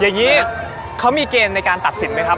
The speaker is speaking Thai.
อย่างนี้เขามีเกณฑ์ในการตัดสินไหมครับ